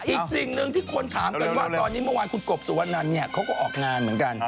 อีกสิ่งหนึ่งที่คนถามกันว่าตอนนี้เมื่อวานคุณกบสุวรรณันเนี่ยเขาก็ออกงานเหมือนกัน